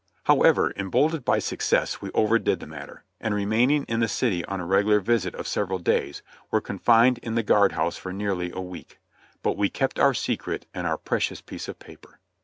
However, emboldened by success, we overdid the matter, and remaining in the city on a regular visit of several days, were con fined in the guard house for nearly a week. But we kept our secret and our precious piece of paper.